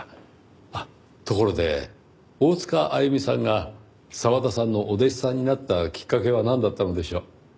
あっところで大塚あゆみさんが澤田さんのお弟子さんになったきっかけはなんだったのでしょう？